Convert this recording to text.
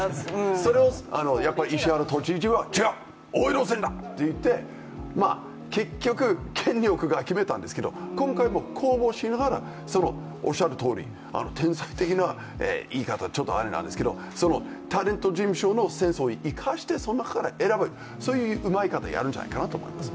それを石原都知事は違う、大江戸線だと結局、権力が決めたんですけど今回も公募しながらその天才的な言い方、ちょっとあれなんですけど、タレント事務所のセンスを生かしてその中から生かす、そういううまいやり方があるんじゃないかなと思いました。